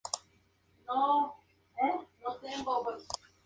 Uno de ellos tenía un peristilo en la zona más antigua de la villa.